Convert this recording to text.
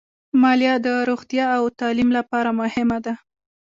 مالیه د روغتیا او تعلیم لپاره مهمه ده.